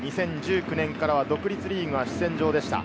２０１９年からは独立リーグが主戦場でした。